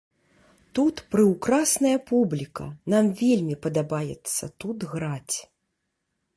Тут прыўкрасная публіка, нам вельмі падабаецца тут граць.